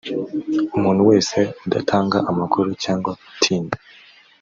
umuntu wese udatanga amakuru cyangwa utinda